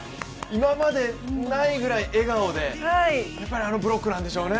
今までないぐらい笑顔で、やっぱりあのブロックなんでしょうね。